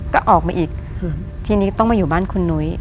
ก็ออกมาอีกทีนี้ต้องมาอยู่บ้านคุณนุ้ย